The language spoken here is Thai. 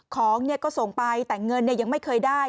ของเนี่ยก็ส่งไปแต่เงินเนี่ยยังไม่เคยได้